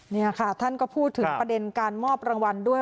นี่ค่ะท่านก็พูดถึงประเด็นการมอบรางวัลด้วย